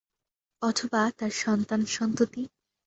অথবা তার সন্তান-সন্ততি।